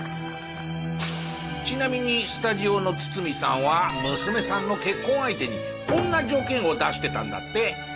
ちなみにスタジオの堤さんは娘さんの結婚相手にこんな条件を出してたんだって。